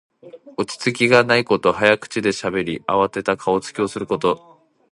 落ち着きがないこと。早口でしゃべり、あわてた顔つきをすること。